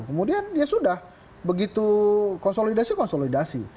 kemudian ya sudah begitu konsolidasi konsolidasi